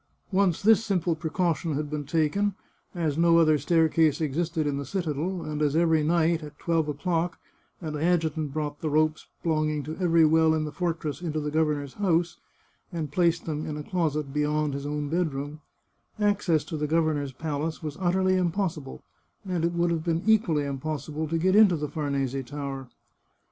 Once this simple pre caution had been taken — as no other staircase existed in 346 The Chartreuse of Parma the citadel, and as every night, as twelve o'clock struck, an adjutant brought the ropes belonging to every well in the fortress into the governor's house, and placed them in a closet beyond his own bedroom — access to the governor's palace was utterly impossible, and it would have been equally impossible to get into the Farnese Tower.